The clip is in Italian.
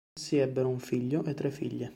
Essi ebbero un figlio e tre figlie.